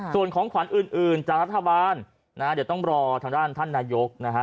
ส่วนของขวัญอื่นจากรัฐบาลนะฮะเดี๋ยวต้องรอทางด้านท่านนายกนะฮะ